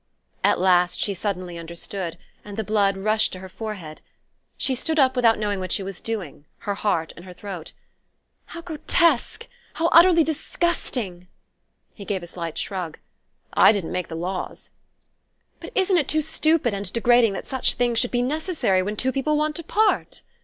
At that she suddenly understood, and the blood rushed to her forehead. She stood up without knowing what she was doing, her heart in her throat. "How grotesque how utterly disgusting!" He gave a slight shrug. "I didn't make the laws...." "But isn't it too stupid and degrading that such things should be necessary when two people want to part